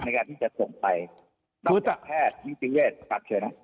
ในการที่จะส่งไปต้องการแพทย์ที่จิเวศกัดเชิญนะ